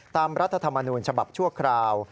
รัฐธรรมนูญฉบับชั่วคราว